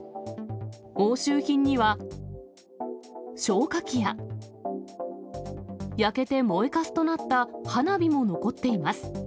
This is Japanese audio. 押収品には、消火器や焼けて燃えかすとなった花火も残っています。